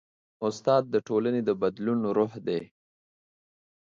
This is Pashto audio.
استاد د ټولنې د بدلون روح دی.